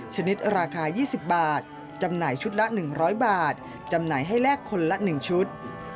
ชนิดราคา๒๐บาทจำหน่ายชุดละ๑๐๐บาทจำหน่ายให้แลกคนละ๑ชุด